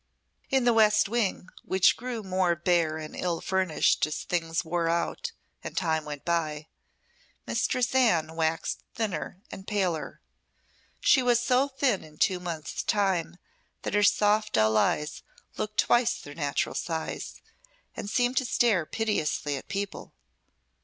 In the west wing, which grew more bare and ill furnished as things wore out and time went by, Mistress Anne waxed thinner and paler. She was so thin in two months' time, that her soft, dull eyes looked twice their natural size, and seemed to stare piteously at people.